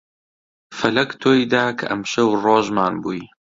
فەلەک تۆی دا کە ئەمشەو ڕۆژمان بووی